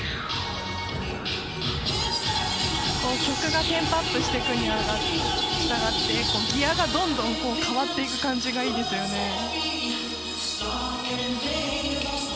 曲がテンポアップしていくにしたがってギヤがどんどん変わっていく感じがいいですよね。